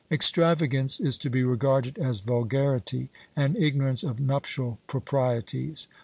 Extravagance is to be regarded as vulgarity and ignorance of nuptial proprieties.